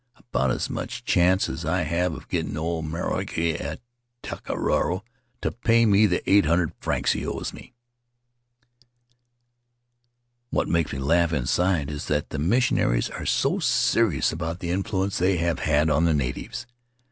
About as much chance as I have of getting old Maroaki at Taka Raro to pay me the eight hundred francs he owes me. "What makes me laugh inside is that the mission aries are so serious about the influence they have had on the natives.